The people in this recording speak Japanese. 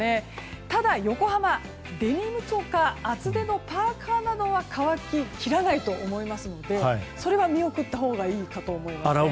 ただ、横浜はデニムや厚手のパーカなどは乾き切らないと思いますのでそれは見送ったほうがいいかと思います。